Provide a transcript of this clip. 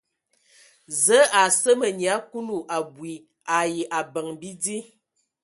Zəə a seme nyia Kulu abui ai abəŋ bidi.